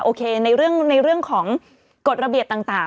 โอเคในเรื่องของกฎระเบียบต่าง